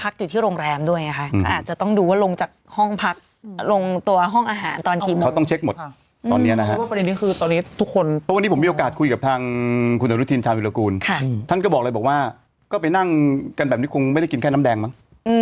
ก็ไปนั่งกันแบบนี้คงไม่ได้กินแค่น้ำแดงมั้ง